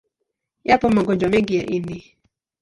Yapo magonjwa mengi ya ini.